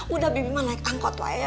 udah bibi mah naik angkot lah ya